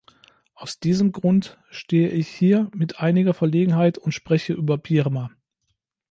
Aus diesem Grund stehe ich hier mit einiger Verlegenheit und spreche über Birma.